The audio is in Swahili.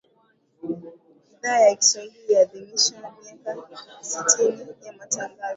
Idhaa ya Kiswahili yaadhimisha miaka sitini ya Matangazo